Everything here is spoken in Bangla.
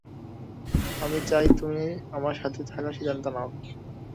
আমি চাই, তুমি আমার সাথে থাকার সিদ্ধান্ত নাও।